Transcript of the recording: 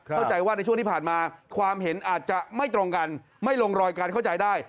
เข้าใจว่าในช่วงที่ผ่านมาความเห็นอาจจะไม่ตรงกันไม่ลงรอยการเข้าใจได้